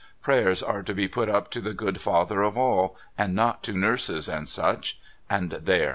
Prayers are to be put up to the Good Father of All, and not to nurses and such. And there